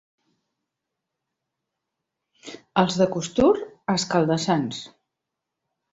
Els de Costur, escalda-sants.